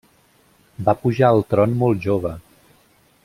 Va pujar al tron molt jove.